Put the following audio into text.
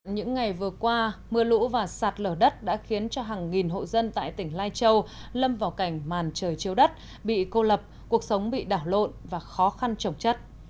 những ngày vừa qua mưa lũ và sạt lở đất đã khiến cho hàng nghìn hộ dân tại tỉnh lai châu lâm vào cảnh màn trời chiếu đất bị cô lập cuộc sống bị đảo lộn và khó khăn trồng chất